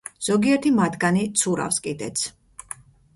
ზოგიერთი მათგანი ცურავს კიდეც.